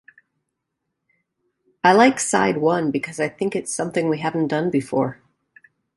I like side one because I think it's something we haven't done before.